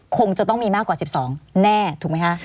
คงจะต้องมีมากกว่า๑๒แน่ถูกไหมคะ